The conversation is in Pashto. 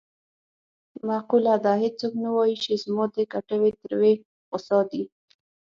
معقوله ده: هېڅوک نه وايي چې زما د کټوې تروې خسا دي.